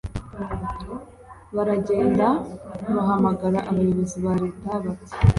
baragenda bahamagara abayobozi ba Leta bati